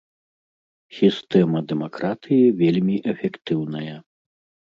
Сістэма дэмакратыі вельмі эфектыўная.